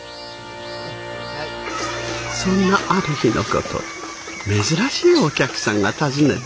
そんなある日の事珍しいお客さんが訪ねてきました。